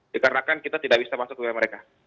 dikarenakan kita tidak bisa masuk ke wilayah mereka